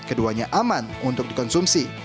keduanya aman untuk dikonsumsi